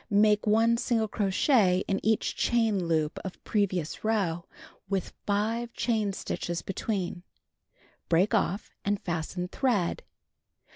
Make 1 single crochet in each chain loop of previous row with 5 chain stitches between. Break off and fasten thread.